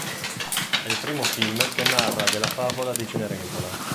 È il primo film che narra della favola di Cenerentola.